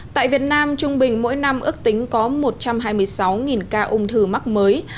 tại việt nam trung bình mỗi năm ước tính có một trăm hai mươi sáu ca ung thư mắc mới